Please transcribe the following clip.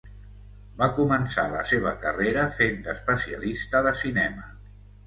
Va començar la seva carrera fent d'especialista de cinema.